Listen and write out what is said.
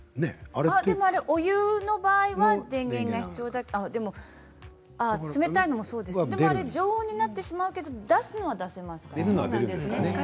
お湯の場合は電源が必要ですけどでも常温になってしまうと出すことは出せますね。